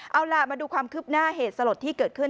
เอาล่ะมาดูความคืบหน้าเหตุสลดที่เกิดขึ้น